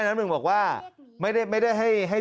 เขาจุดทูปว่าเป็น๙สามตัวใช่ไหม